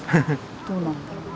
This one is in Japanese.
どうなんだろうね。